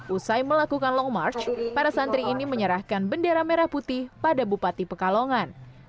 usai melakukan long march para santri ini menyerahkan bendera merah putih pada bupati pekalongan